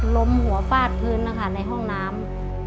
ล้มหัวฟาดพื้นนะคะในห้องน้ำ